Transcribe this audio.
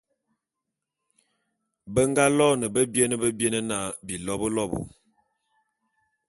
Be nga loene bebiene bebiene na, Bilobôlobô.